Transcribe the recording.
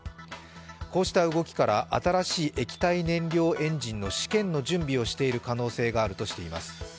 こうした動きから新しい液体燃料エンジンの試験の準備をしている可能性があるとしています。